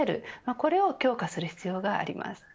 これを強化する必要があります。